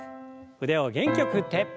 腕を元気よく振って。